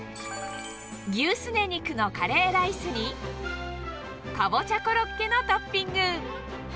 牛すね肉のカレーライスに、カボチャコロッケのトッピング。